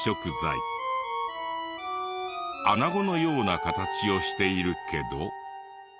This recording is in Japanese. アナゴのような形をしているけど。